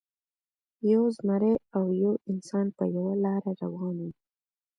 یو زمری او یو انسان په یوه لاره روان وو.